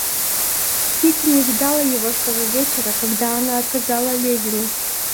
Кити не видала его с того вечера, когда она отказала Левину.